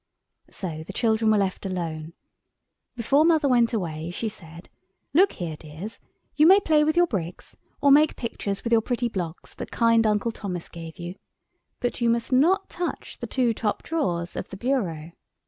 So the children were left alone. Before Mother went away she said— "Look here, dears, you may play with your bricks, or make pictures with your pretty blocks that kind Uncle Thomas gave you, but you must not touch the two top drawers of the bureau.